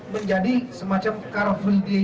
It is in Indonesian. menjadi semacam car free day